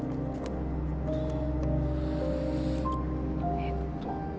えっと